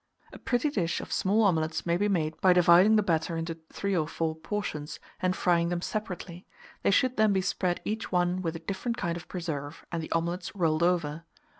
A pretty dish of small omelets may be made by dividing the batter into 3 or 4 portions, and frying them separately; they should then be spread each one with a different kind of preserve, and the omelets rolled over.